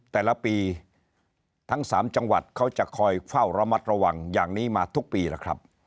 แต่ละปีทั้ง๓จังหวัดเขาจะคอยเฝ้าระมัดระวังอย่างนี้มาทุกปีแล้วครับ